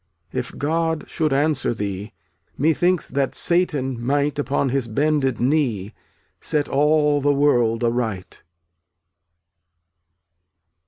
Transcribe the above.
If God should answer thee, Methinks that Satan might, Upon his bended knee, Set all the world aright.